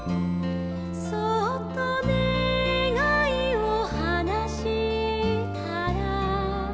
「そっとねがいをはなしたら」